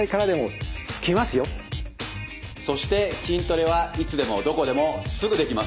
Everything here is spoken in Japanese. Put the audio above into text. そして筋トレはいつでもどこでもすぐできます。